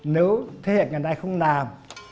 nếu thế hệ ngày nay không làm